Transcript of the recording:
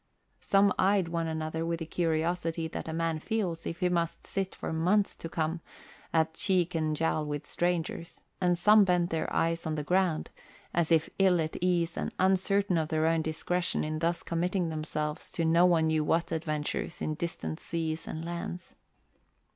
Some eyed one another with the curiosity that a man feels if he must sit, for months to come, at cheek and jowl with strangers; and some bent their eyes on the ground as if ill at ease and uncertain of their own discretion in thus committing themselves to no one knew what adventures in distant seas and lands.